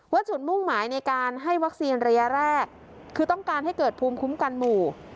จุดมุ่งหมายในการให้วัคซีนระยะแรกคือต้องการให้เกิดภูมิคุ้มกันหมู่